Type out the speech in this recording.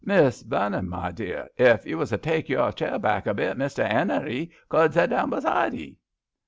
Miss Vernon, my dear, ef you was to take your chair back a bit, Mester 'Enery could zet down aside 'ee.